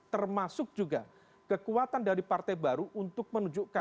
termasuk juga kekuatan dari partai baru untuk menunjukkan